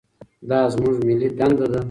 دا زموږ ملي دنده ده.